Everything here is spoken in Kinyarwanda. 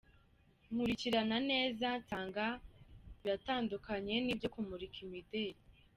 Nkurikirana neza nsanga biratandukanye n’ibyo kumurika imideli.